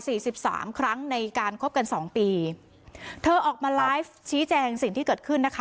สิบสามครั้งในการคบกันสองปีเธอออกมาไลฟ์ชี้แจงสิ่งที่เกิดขึ้นนะคะ